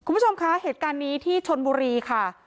คุณผู้ชมคะเหตุการณ์นี้ที่ชนบุรีค่ะ